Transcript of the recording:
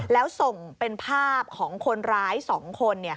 แล้วส่งเป็นภาพของคนร้าย๒คน